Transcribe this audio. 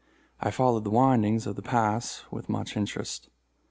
I followed the windings of this pass with much interest.